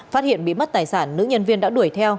phát hiện bị mất tài sản nữ nhân viên đã đuổi theo